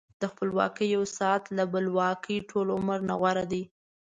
د خپلواکۍ یو ساعت له بلواکۍ ټول عمر نه غوره دی.